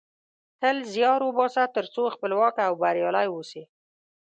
تل زیار وباسه ترڅو خپلواک او بریالۍ اوسی